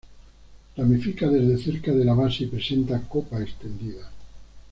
Ramifica desde cerca de la base y presenta copa extendida.